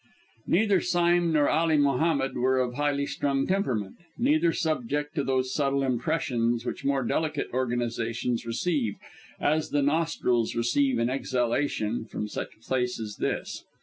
Neither Sime nor Ali Mohammed were of highly strung temperament, neither subject to those subtle impressions which more delicate organisations receive, as the nostrils receive an exhalation, from such a place as this.